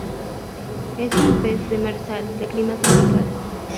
Es un pez demersal de clima tropical.